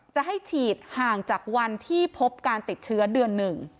จะให้ฉีดห่างจากวันที่พบการติดเชื้อเดือนหนึ่ง